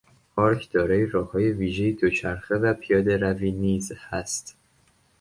پارک دارای راههای ویژهی دوچرخه و پیادهروی نیز هست.